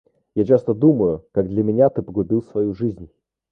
Я часто думаю, как для меня ты погубил свою жизнь.